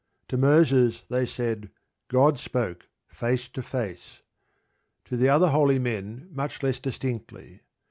To Moses, they said, God spake face to face; to the other holy men much less distinctly.